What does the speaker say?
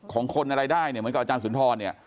ของคนอะไรได้เหมือนกับอาจารย์สุนทร